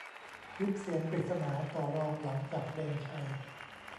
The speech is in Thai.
คลิปเสียงปริศนา ต่อรองหลังจับ "เปรมชัย"